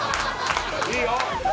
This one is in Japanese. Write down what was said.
いいよ。